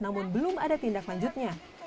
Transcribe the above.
namun belum ada tindak lanjutnya